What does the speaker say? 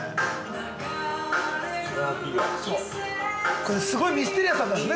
これ、すごいミステリアスなんですね